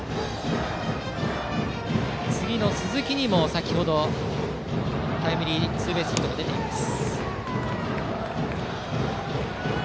次の鈴木にも先程、タイムリーツーベースヒットが出ています。